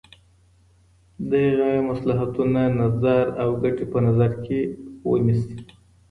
د هغې مصلحتونه، نظر او ګټي په نظر کي ونيسي.